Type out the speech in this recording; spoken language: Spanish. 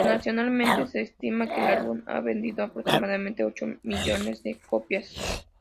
Internacionalmente se estima que el álbum ha vendido aproximadamente ocho millones de copias.